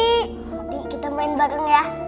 ini kita main bareng ya